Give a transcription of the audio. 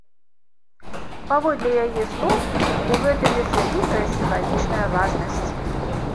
Паводле яе слоў, у гэтым ёсць вялікая сімвалічная важнасць.